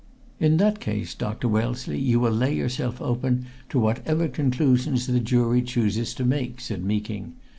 "In that case, Dr. Wellesley, you will lay yourself open to whatever conclusions the jury chooses to make," said Meeking.